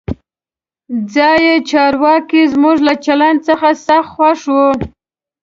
ځایي چارواکي زموږ له چلند څخه سخت خوښ وو.